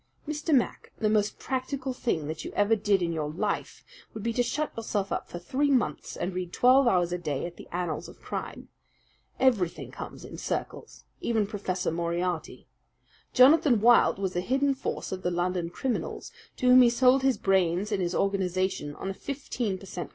"Mr. Mac, the most practical thing that you ever did in your life would be to shut yourself up for three months and read twelve hours a day at the annals of crime. Everything comes in circles even Professor Moriarty. Jonathan Wild was the hidden force of the London criminals, to whom he sold his brains and his organization on a fifteen per cent.